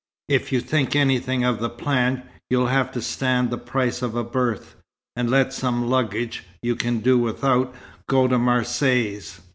If you think anything of the plan, you'll have to stand the price of a berth, and let some luggage you can do without, go to Marseilles.